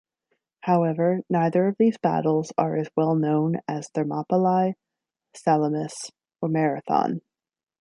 However, neither of these battles are as well known as Thermopylae, Salamis or Marathon.